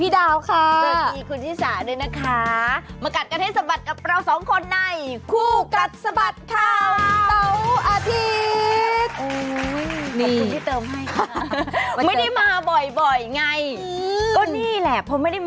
ดาว